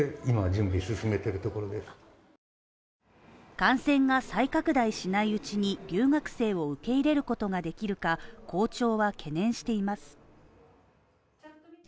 感染が再拡大しないうちに留学生を受け入れることができるか校長は懸念しています。